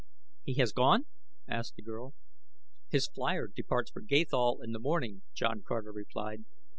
"He has gone?" asked the girl. "His flier departs for Gathol in the morning," John Carter replied.